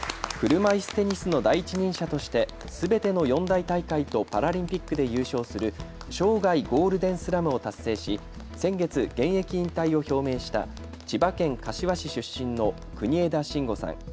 車いすテニスの第一人者としてすべての四大大会とパラリンピックで優勝する生涯ゴールデンスラムを達成し先月、現役引退を表明した千葉県柏市出身の国枝慎吾さん。